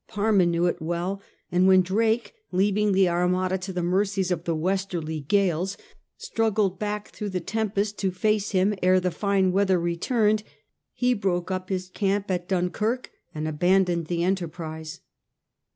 Parma knew it well ; and when Drake, leaving the Armada to the mercies of the westerly gales, struggled back through the tempest to face him ere the fine weather returned, he broke up his camp at Dunkirk and abandoned the enterprise.